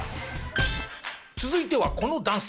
続いてはこの男性。